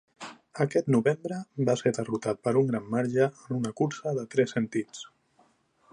Aquest novembre, va ser derrotat per un gran marge en una cursa de tres sentits.